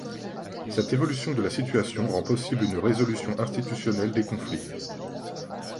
Cette évolution de la situation rend possible une résolution institutionnelle des conflits.